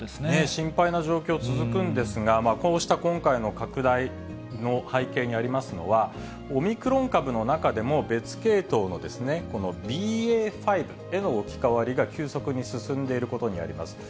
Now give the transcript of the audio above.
心配な状況、続くんですが、こうした今回の拡大の背景にありますのは、オミクロン株の中でも、別系統のこのＢＡ．５への置き換わりが急速に進んでいることにあります。